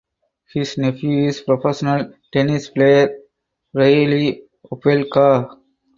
His nephew is professional tennis player Reilly Opelka.